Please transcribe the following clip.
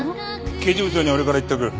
刑事部長には俺から言っておく。